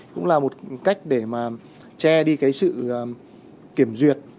cũng là một cách để mà che đi cái sự kiểm duyệt